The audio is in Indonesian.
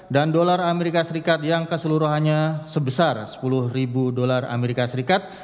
dan dolar amerika serikat yang keseluruhannya sebesar sepuluh ribu dolar amerika serikat